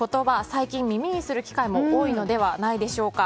最近、耳にする機会も多いのではないでしょうか。